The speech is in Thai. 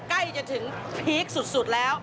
ใกล้จะถึงพีคสุดแล้ว